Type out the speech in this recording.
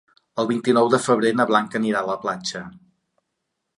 El vint-i-nou de febrer na Blanca anirà a la platja.